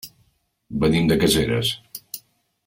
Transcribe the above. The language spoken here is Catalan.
Venim de Caseres.